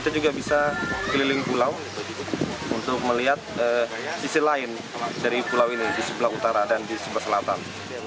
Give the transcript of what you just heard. kita juga bisa keliling pulau untuk melihat sisi lain dari pulau ini di sebelah utara dan di sebelah selatan